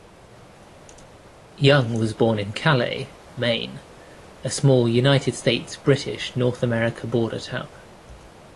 Young was born in Calais, Maine, a small United States-British North America border town.